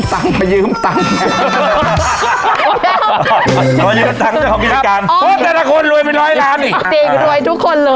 จริงโอ้โหแค่เสื้อพี่โน่นุ่มเรียกว่าติดทีมชาติชุดเอ